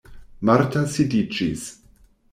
Marta sidiĝis.